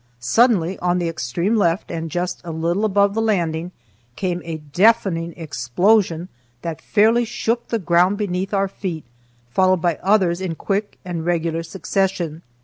Suddenly, on the extreme left, and just a little above the landing, came a deafening explosion that fairly shook the ground beneath our feet, followed by others in quick and regular succession.